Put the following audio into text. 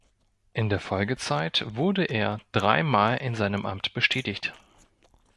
In der Folgezeit wurde er dreimal in seinem Amt bestätigt.